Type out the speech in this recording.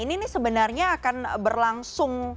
ini sebenarnya akan berlangsung